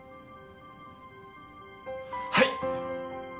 はい！